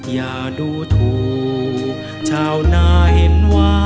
อย่าดูถูกชาวนาเห็นว่า